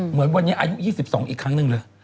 เหมือนวันนี้อายุ๒๒อีกครั้งหนึ่งเลย